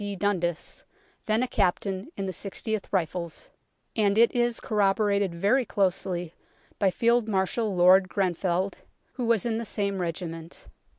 D. Dundas, then a captain in the 6oth Rifles, and it is corroborated very closely by Field Marshal Lord Grenfell, who was in the same regiment.